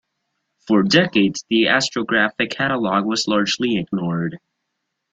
For decades the Astrographic Catalogue was largely ignored.